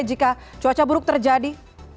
jika cuaca buruk terjadi